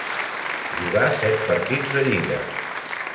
Jugà set partits de lliga.